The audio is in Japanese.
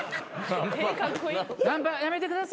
ナンパやめてください